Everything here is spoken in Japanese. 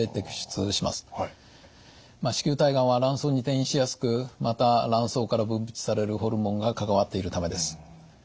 子宮体がんは卵巣に転移しやすくまた卵巣から分泌されるホルモンが関わっているためです。